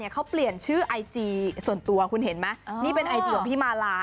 เท่อันเดิร์สกอร์มาลา